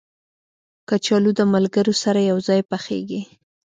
کچالو د ملګرو سره یو ځای پخېږي